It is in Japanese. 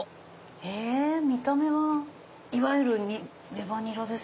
見た目はいわゆるレバニラです。